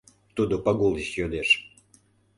Тудо Пагул деч йодеш: